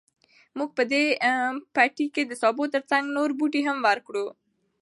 موږ به په دې پټي کې د سابو تر څنګ نور بوټي هم وکرو.